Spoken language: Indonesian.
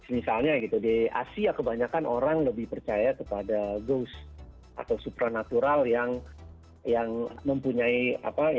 misalnya gitu di asia kebanyakan orang lebih percaya kepada goes atau supranatural yang mempunyai apa